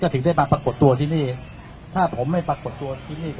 ถึงได้มาปรากฏตัวที่นี่ถ้าผมไม่ปรากฏตัวที่นี่